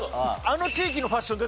あの地域のファッション。